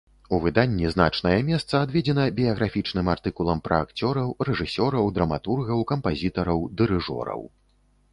У выданні значнае месца адведзена біяграфічным артыкулам пра акцёраў, рэжысёраў, драматургаў, кампазітараў, дырыжораў.